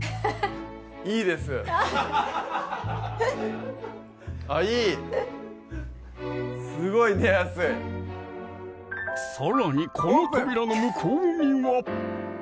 いいですあっいいすごい寝やすいさらにこの扉の向こうには？